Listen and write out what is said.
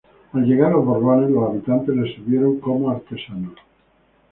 Al llegar los Borbones, los habitantes les sirvieron como artesanos.